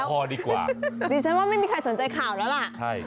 พอดีกว่าดิฉันว่าไม่มีใครสนใจข่าวแล้วล่ะใช่